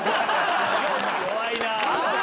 ・弱いな。